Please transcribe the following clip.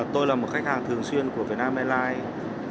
tôi là một khách hàng thường xuyên của việt nam airlines